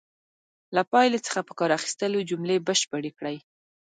له پایلې څخه په کار اخیستلو جملې بشپړې کړئ.